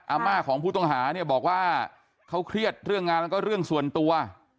อาม่าของผู้ต้องหาเนี่ยบอกว่าเขาเครียดเรื่องงานแล้วก็เรื่องส่วนตัว